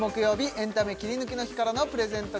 エンタメキリヌキの日からのプレゼント